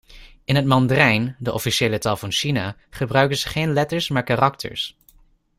In het Mandarijn, de officiële taal van China, gebruiken ze geen letters maar karakters.